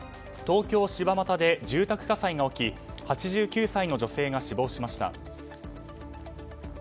東京・柴又で住宅火災が起き８９歳の女性が死亡しました。